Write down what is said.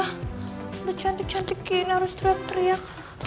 udah cantik cantik gini harus teriak teriak